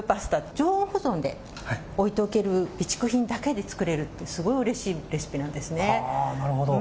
常温保存で置いておける備蓄品だけで作れるすごいうれしいレシピなんです。